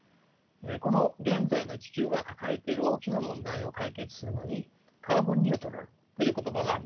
この現在の地球が抱えている大きな問題を解決するのにカーボンニュートラルという言葉があります。